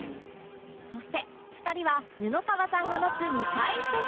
そして２人は布川さんが待つ２階席へ